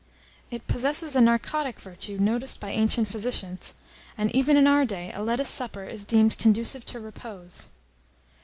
It possesses a narcotic virtue, noticed by ancient physicians; and even in our day a lettuce supper is deemed conducive to repose.